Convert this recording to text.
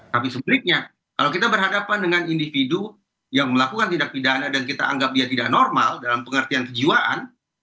tapi sebenarnya kalau kita berhadapan dengan individu yang melakukan tindak pidana dan kita anggap dia tidak normal dalam pengertian kejiwaan